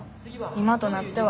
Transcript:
今となっては。